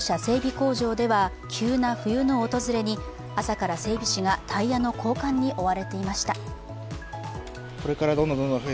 工場では急な冬の訪れに朝から整備士がタイヤの交換に追われていました。